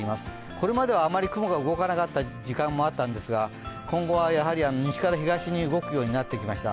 これまではあまり雲が動かなかった時間もあったんですが今後はやはり西から東に動くようになってきました。